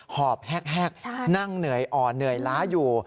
หอบแฮกนั่งเหนื่อยอ่อนเหนื่อยล้าอยู่